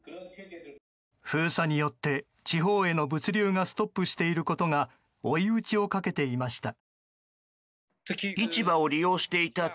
封鎖によって地方への物流がストップしていることが追い打ちをかけていました。